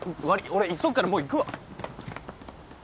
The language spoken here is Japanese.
俺急ぐからもう行くわ。